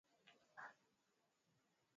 Matembele huweza kuliwa kwa wali